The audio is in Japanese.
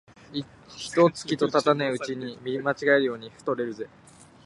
一と月とたたねえうちに見違えるように太れるぜ